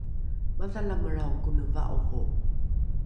madhalamelrao kone va’oro